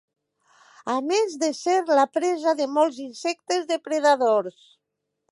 A més de ser la presa de molts insectes depredadors.